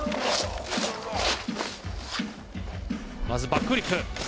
まずバックフリップ。